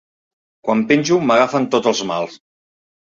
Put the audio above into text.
Quan penjo m'agafen tots els mals.